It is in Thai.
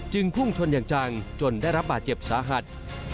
พุ่งชนอย่างจังจนได้รับบาดเจ็บสาหัส